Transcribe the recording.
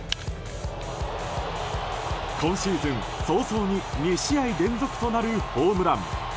今シーズン早々に２試合連続となるホームラン。